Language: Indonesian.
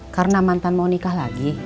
karena mantan mau nikah lagi